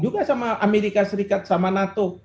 juga sama amerika serikat sama nato